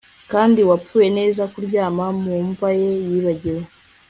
Kandi wapfuye neza kuryama mu mva ye yibagiwe